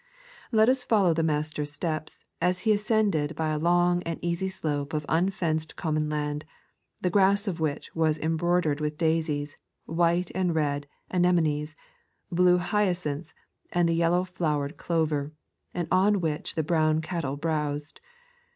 Let us follow the Master's steps, as He ascended by a long and easy elope of unfenced common land, the grass of which was embroidered with daisies, white and red ane mones, blue hyacinths, and the yellow flowered clover, and on which the brown cattle browsed.